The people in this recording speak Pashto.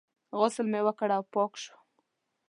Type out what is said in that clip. غسل مې وکړ او پاک شوم.